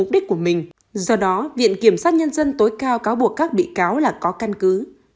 do đó viện kiểm sát nhân dân tối cao cáo buộc các bị cáo là có căn cứ